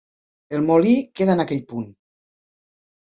El molí queda en aquell punt.